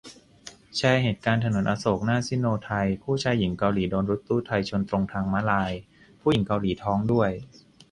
แชร์เหตุการณ์ถนนอโศกหน้าซิโนไทย คู่ชายหญิงเกาหลีโดนรถตู้ไทยชนตรงทางม้าลาย ผู้หญิงเกาหลีท้องด้วย